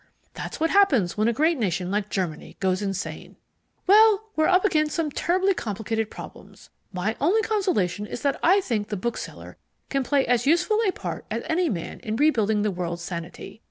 That's what happens when a great nation like Germany goes insane. "Well, we're up against some terribly complicated problems. My only consolation is that I think the bookseller can play as useful a part as any man in rebuilding the world's sanity.